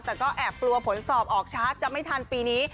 แต่ก็แอบกลัวผลสอบออกชาร์จจะไม่ทันปีนี้